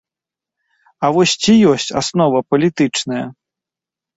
А вось ці ёсць аснова палітычная?